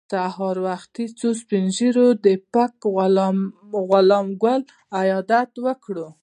سهار وختي څو سپین ږیرو د پک غلام ګل عیادت وکړ.